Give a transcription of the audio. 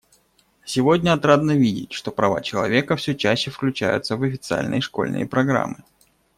Сегодня отрадно видеть, что права человека все чаще включаются в официальные школьные программы.